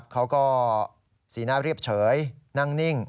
เขาก็สีหน้าเรียบเฉยนั่งนิ่ง